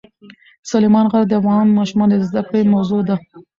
سلیمان غر د افغان ماشومانو د زده کړې موضوع ده.